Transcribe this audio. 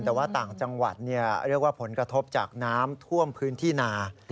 แต่ว่าต่างจังหวัดเรียกว่าผลกระทบจากน้ำท่วมพื้นที่นา